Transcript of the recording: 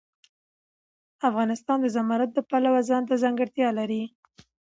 افغانستان د زمرد د پلوه ځانته ځانګړتیا لري.